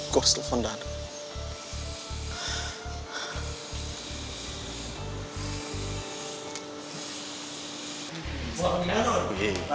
gue harus telepon dadah